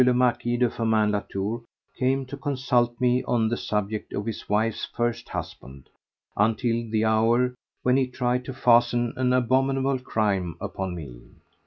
le Marquis de Firmin Latour came to consult me on the subject of his wife's first husband, until the hour when he tried to fasten an abominable crime upon me.